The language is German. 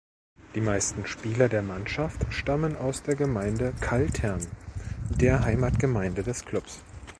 Die meisten Spieler der Mannschaft stammen aus der Gemeinde Kaltern, der Heimatgemeinde des Klubs.